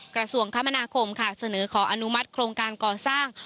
กระทรวงคมนาคมค่ะเสนอขออนุมัติโครงการก่อสร้าง